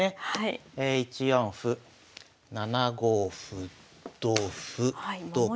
１四歩７五歩同歩同角。